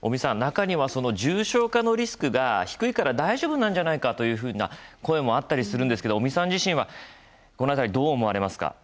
中には重症化のリスクが低いから大丈夫なんじゃないかというような声もあったりするんですけど尾身さん自身はこの辺りどう思われますか？